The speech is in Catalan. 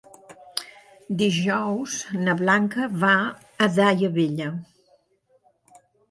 Dijous na Blanca va a Daia Vella.